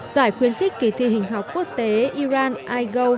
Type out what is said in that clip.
giải khuyến khích kỳ thi hình học quốc tế iran igo hai nghìn một mươi bảy